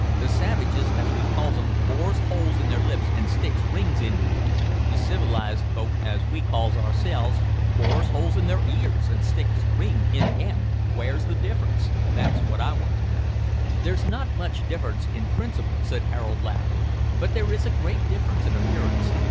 The savages, as we calls 'em, bores holes in their lips an' sticks rings into 'em. The civilised folk, as we calls ourselves, bores holes in their ears an' sticks rings into 'em. W'ere's the difference? that's wot I want to know." "There's not much difference in principle," said Harold, laughing, "but there is a great difference in appearance.